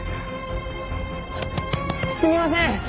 すみません！